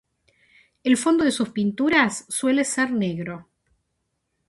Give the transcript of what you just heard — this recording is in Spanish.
El fondo de sus pinturas suele ser negro.